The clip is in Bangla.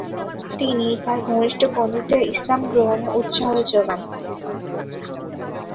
তিনি তার ঘনিষ্ঠ বন্ধুদের ইসলাম গ্রহণে উৎসাহ যোগান।